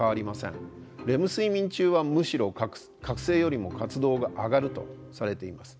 レム睡眠中はむしろ覚醒よりも活動が上がるとされています。